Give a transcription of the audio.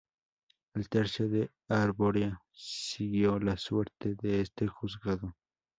El tercio de Arborea siguió la suerte de este juzgado.